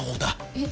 えっ！？